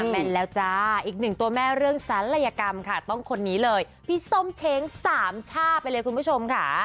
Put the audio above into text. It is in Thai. แม่นแล้วจ้าอีกหนึ่งตัวแม่เรื่องศาลัยกรรมค่ะต้องคนนี้เลยพี่ส้มเค้งสามชาติรึไม่ลีผมก่อนค่ะ